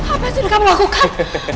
apa sih yang kamu lakukan